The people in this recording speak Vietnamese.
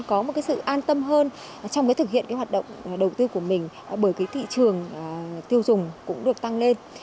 có một sự an tâm hơn trong thực hiện hoạt động đầu tư của mình bởi thị trường tiêu dùng cũng được tăng lên